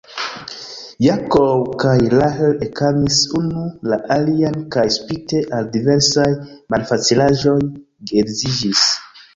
Jakob kaj Raĥil ekamis unu la alian, kaj, spite al diversaj malfacilaĵoj, geedziĝis.